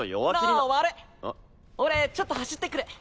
あ悪い俺ちょっと走ってくる。